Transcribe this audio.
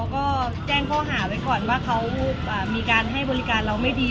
ก็แจ้งข้อหาไว้ก่อนว่าเขามีการให้บริการเราไม่ดี